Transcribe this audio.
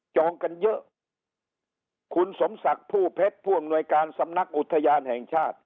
จองกันเยอะคุณสมศักดิ์ผู้เพชรผู้อำนวยการสำนักอุทยานแห่งชาติ